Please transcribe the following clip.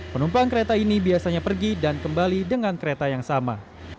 penumpang kereta ini biasanya pergi dan kembali dengan kereta yang sama